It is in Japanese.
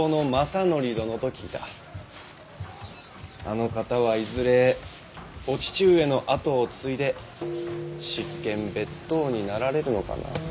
あの方はいずれお父上の跡を継いで執権別当になられるのかな。